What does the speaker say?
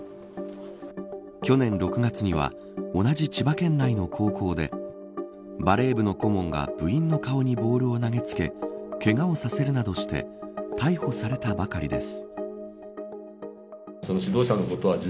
去年６月には同じ千葉県内の高校でバレー部の顧問が部員の顔にボールを投げつけけがをさせるなどして逮捕されたばかりです。